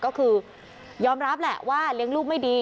ก็คือยอมรับแหละว่าเลี้ยงลูกไม่ดี